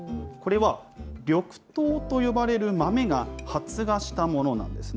これは緑豆と呼ばれる豆が発芽したものなんですね。